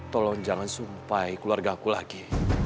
tolong jangan sampai keluarga aku lagi